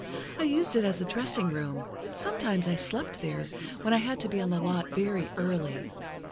I used it as a dressing room, sometimes I slept there, when I had to be on the lot very early.